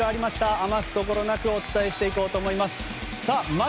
余すところなくお伝えしていこうかと思います。